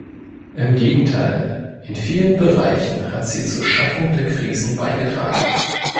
Im Gegenteil, in vielen Bereichen hat sie zur Schaffung der Krisen beigetragen.